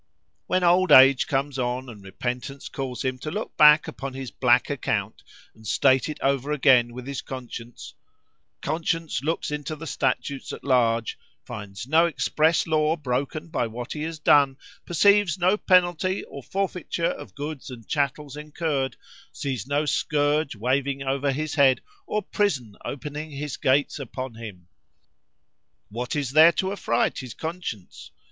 "When old age comes on, and repentance calls him to look back upon this black account, and state it over again with his conscience—CONSCIENCE looks into the STATUTES AT LARGE;—finds no express law broken by what he has done;—perceives no penalty or forfeiture of goods and chattels incurred;—sees no scourge waving over his head, or prison opening his gates upon him:—What is there to affright his conscience?